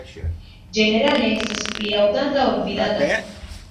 Ĝenerale estas pli aŭdata ol vidata.